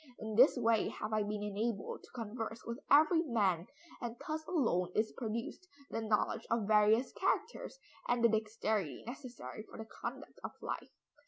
In this way have I been enabled to converse with every man, and thus alone is produced the knowledge of various characters, and the dexterity necessary for the conduct of life."